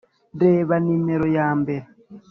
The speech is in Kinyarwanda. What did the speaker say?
reba nimero ya mbere